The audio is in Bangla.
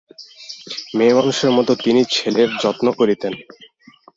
মেয়েমানুষের মতো তিনি ছেলের যত্ন করিতেন।